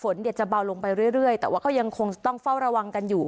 จะเบาลงไปเรื่อยแต่ว่าก็ยังคงต้องเฝ้าระวังกันอยู่